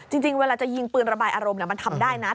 จริงเวลาจะยิงปืนระบายอารมณ์มันทำได้นะ